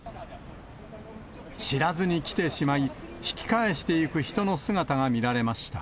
知らずに来てしまい、引き返してゆく人の姿が見られました。